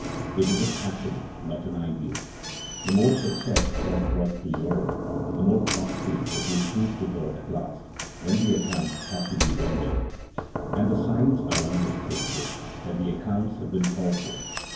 It is a passion, not an ideal. The more success it has brought to Europe, the more costly it will prove to her at last, when the accounts have to be rendered. And the signs are unmistakable, that the accounts have been called for.